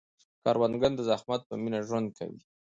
کروندګر د زحمت په مینه ژوند کوي